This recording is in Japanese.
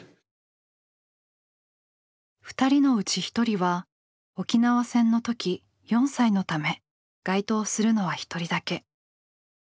２人のうち１人は沖縄戦の時４歳のため該当するのは１人だけ。